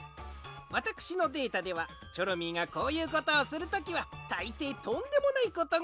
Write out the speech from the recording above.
わたくしのデータではチョロミーがこういうことをするときはたいていとんでもないことが。